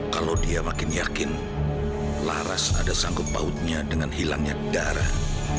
kalau dia makin yakin laras ada sanggup pautnya dengan hilangnya darah